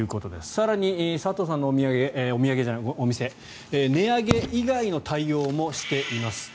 更に、佐藤さんのお店値上げ以外の対応もしています。